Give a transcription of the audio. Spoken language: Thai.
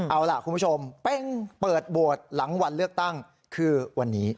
เอาล่ะคุณผู้ชมเปิดโหวตหลังวันเลือกตั้งคือวันนี้